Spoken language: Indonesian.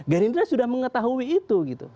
gerindra sudah mengetahui itu